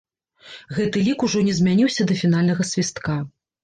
Гэты лік ужо не змяніўся да фінальнага свістка.